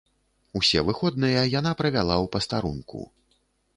Усе выходныя яна правяла ў пастарунку.